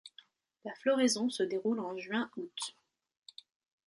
La floraison se déroule en juin-août.